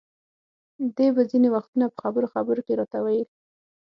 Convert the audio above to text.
دې به ځینې وختونه په خبرو خبرو کې راته ویل.